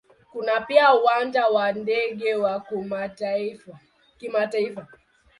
Kuna pia Uwanja wa ndege wa kimataifa.